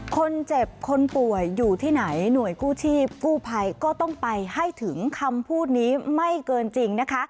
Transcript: คนเจ็บคนป่วยอยู่ที่ไหนหน่วยกู้ชีพกู้ภัยก็ต้องไปให้ถึงคำพูดนี้ไม่เกินจริงนะคะ